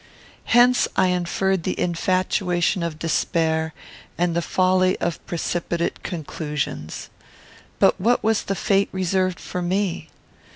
Hence I inferred the infatuation of despair, and the folly of precipitate conclusions. But what was the fate reserved for me?